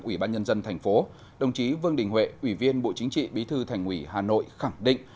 ủy ban nhân dân thành phố đồng chí vương đình huệ ủy viên bộ chính trị bí thư thành ủy hà nội khẳng định